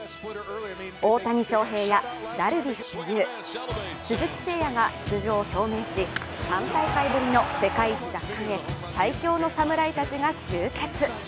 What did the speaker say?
大谷翔平やダルビッシュ有、鈴木誠也が出場を表明し、３大会ぶりの世界一奪還へ最強の侍たちが集結。